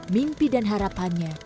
mimpi dan harapannya